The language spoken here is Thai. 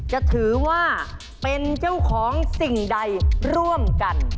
จะถือว่าเป็นเจ้าของสิ่งใดร่วมกัน